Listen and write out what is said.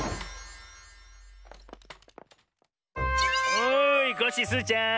おいコッシースイちゃん